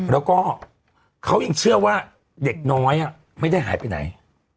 แล้วก็เขายังเชื่อว่าเด็กน้อยไม่ได้หายไปไหน